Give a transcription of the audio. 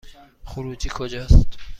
خروجی کجاست؟